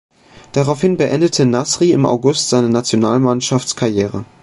Daraufhin beendete Nasri im August seine Nationalmannschaftskarriere.